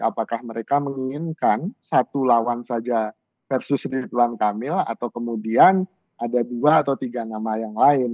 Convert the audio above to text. apakah mereka menginginkan satu lawan saja versus rituan kamil atau kemudian ada dua atau tiga nama yang lain